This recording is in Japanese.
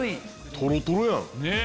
トロトロやん！